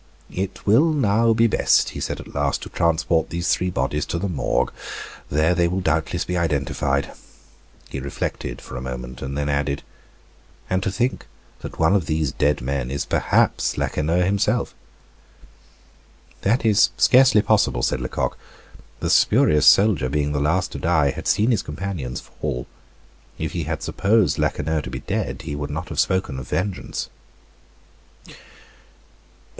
"It will now be best," he said at last, "to transport these three bodies to the Morgue. There they will doubtless be identified." He reflected for a moment, and then added: "And to think that one of these dead men is perhaps Lacheneur himself!" "That is scarcely possible," said Lecoq. "The spurious soldier, being the last to die, had seen his companions fall. If he had supposed Lacheneur to be dead, he would not have spoken of vengeance."